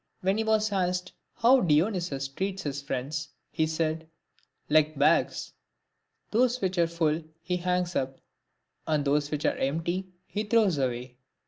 When he was asked how Dionysius treats his friends, he said, " Like bags ; those which are full he hangs up, and those which are empty he throws away."